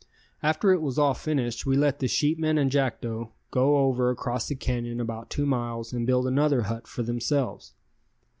After it was all finished we let the sheepmen and Jackdo go over across the canyon about two miles and build another hut for themselves.